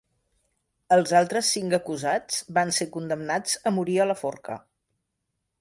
Els altres cinc acusats van ser condemnats a morir a la forca.